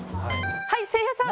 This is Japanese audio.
はいせいやさん。